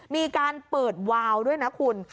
มีการเปิดวาวด้วยนะคุณ